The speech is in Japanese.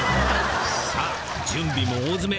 さあ準備も大詰め。